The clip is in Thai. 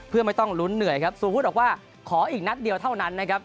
เพื่อไม่ต้องลุ้นเหนื่อยครับสมมุติบอกว่าขออีกนัดเดียวเท่านั้นนะครับ